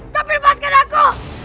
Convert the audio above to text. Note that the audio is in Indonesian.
tapi lepaskan aku